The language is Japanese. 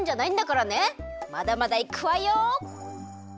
まだまだいくわよ！